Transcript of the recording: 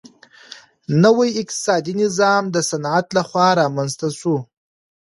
نوی اقتصادي نظام د صنعت لخوا رامنځته سو.